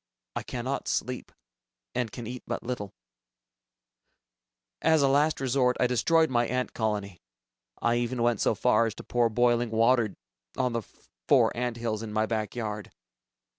I cannot sleep, and can eat but little. As a last resort, I destroyed my ant colony. I even went so far as to pour boiling water on the four ant hills in my yard.